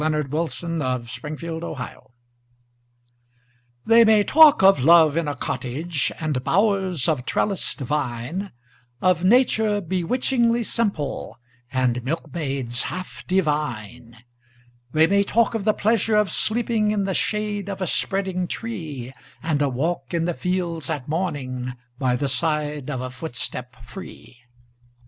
Nathaniel Parker Willis Love in a Cottage THEY may talk of love in a cottage And bowers of trellised vine Of nature bewitchingly simple, And milkmaids half divine; They may talk of the pleasure of sleeping In the shade of a spreading tree, And a walk in the fields at morning, By the side of a footstep free!